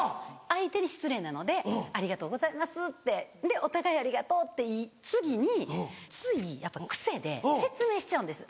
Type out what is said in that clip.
相手に失礼なので「ありがとうございます」って。お互い「ありがとう」って言い次についやっぱ癖で説明しちゃうんです。